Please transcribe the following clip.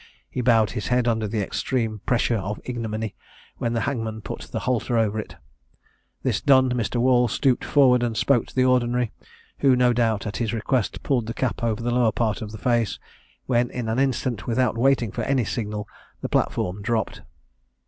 He bowed his head under the extreme pressure of ignominy, when the hangman put the halter over it. This done, Mr. Wall stooped forward and spoke to the Ordinary, who, no doubt at his request, pulled the cap over the lower part of the face, when in an instant, without waiting for any signal, the platform dropped.